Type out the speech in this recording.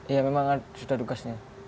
iya memang sudah tugasnya